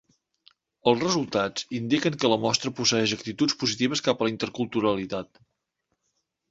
Els resultats indiquen que la mostra posseeix actituds positives cap a la interculturalitat.